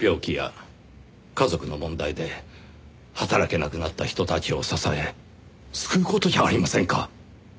病気や家族の問題で働けなくなった人たちを支え救う事じゃありませんか。